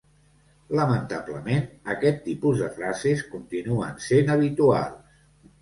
Lamentablement, aquest tipus de frases continuen sent habituals.